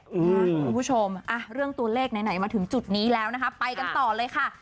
คุณผู้ชมเรื่องตัวเลขไหนมาถึงจุดนี้แล้วนะคะไปกันต่อเลยค่ะ